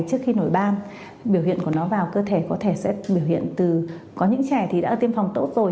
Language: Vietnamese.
trước khi nổi ba biểu hiện của nó vào cơ thể có thể sẽ biểu hiện từ có những trẻ thì đã được tiêm phòng tốt rồi